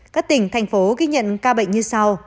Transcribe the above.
các tỉnh thành phố ghi nhận ca bệnh như sau